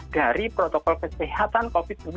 dari protokol kesehatan covid sembilan belas